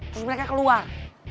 terus mereka keluar